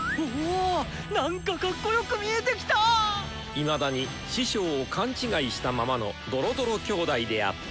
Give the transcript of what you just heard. いまだに師匠を勘違いしたままのドロドロ兄弟であった。